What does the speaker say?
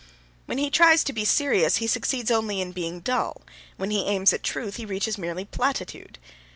When he tries to be serious he succeeds only in being dull, when he aims at truth he reaches merely platitude.